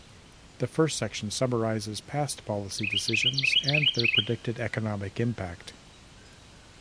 The first section summarizes past policy decisions and their predicted economic impact.